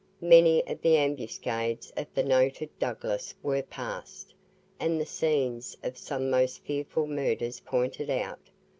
Many of the ambuscades of the noted Douglas were passed, and the scenes of some most fearful murders pointed out.